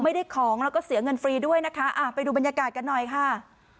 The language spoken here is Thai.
ไม่ได้ของแล้วก็เสียเงินฟรีด้วยนะคะอ่าไปดูบรรยากาศกันหน่อยค่ะ